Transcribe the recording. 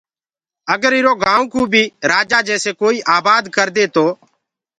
اگر ايٚرو گآئو ڪو بيٚ رآجآ جيسي ڪوئيٚ آبآد ڪردي تو